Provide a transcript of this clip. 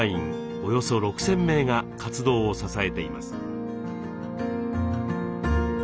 およそ６，０００名が活動を支えています。